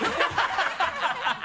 ハハハ［笑